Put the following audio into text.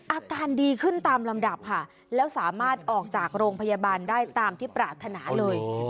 อาการดีขึ้นตามลำดับค่ะแล้วสามารถออกจากโรงพยาบาลได้ตามที่ปรารถนาเลย